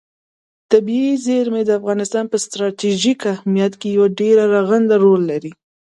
طبیعي زیرمې د افغانستان په ستراتیژیک اهمیت کې یو ډېر رغنده رول لري.